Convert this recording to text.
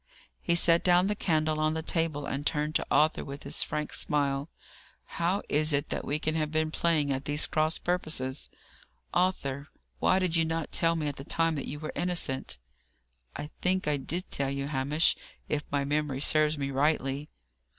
He set down the candle on the table, and turned to Arthur with his frank smile. "How is it that we can have been playing at these cross purposes, Arthur? Why did you not tell me at the time that you were innocent?" "I think I did tell you so, Hamish: if my memory serves me rightly."